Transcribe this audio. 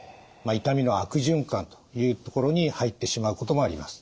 痛みの悪循環というところに入ってしまうこともあります。